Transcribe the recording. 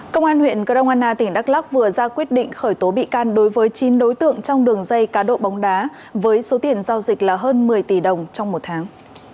công an huyện grong anna tỉnh đắk lắc vừa ra quyết định khởi tố bị can đối với chín đối tượng trong đường dây cá độ bóng đá với số tiền giao dịch là hơn một mươi tỷ đồng trong một tháng